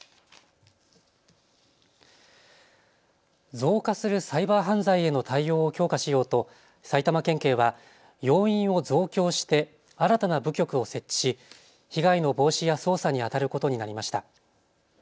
増加するサイバー犯罪への対応を強化しようと埼玉県警は要員を増強して新たな部局を設置し被害の防止や捜査にあたることになりました。